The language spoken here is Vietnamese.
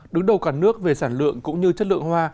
đứng đầu cả nước về sản lượng cũng như chất lượng hoa